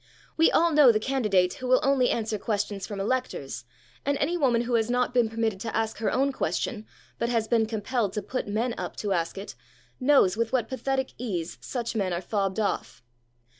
We all know the candidate who will only answer questions from electors, and any woman who has not been permitted to ask her own question, but has been compelled to put men up to ask it, knows with what pathetic ease such men are fobbed off.